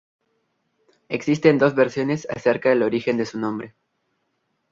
Existe dos versiones acerca del origen de su nombre.